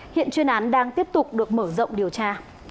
hiện chuyên án đang tiếp tục được mở rộng điều tra